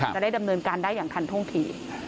จะได้ดำเนินการได้อย่างทันท่วงที